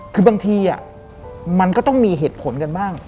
คือบางทีมันก็ต้องมีเหตุผลกันบ้าง